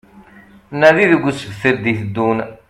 Nadi deg usebter d-iteddun